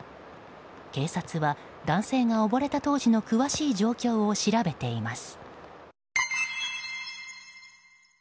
警察は、男性が溺れた当時の詳しい状況を調べています。